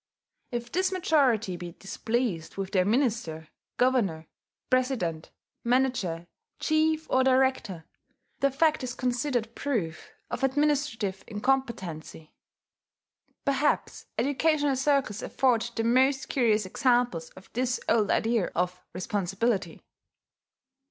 If this majority be displeased with their minister, governor, president, manager, chief, or director, the fact is considered proof of administrative incompetency.... Perhaps educational circles afford the most curious examples of this old idea of responsibility.